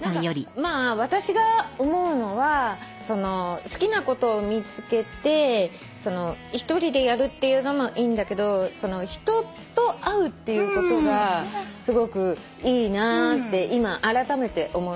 まあ私が思うのは好きなことを見つけて１人でやるっていうのもいいんだけど人と会うっていうことがすごくいいなって今あらためて思うの。